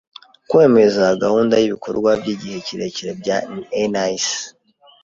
kwemeza gahunda y’ibikorwa by’igihe kirekire bya NIC;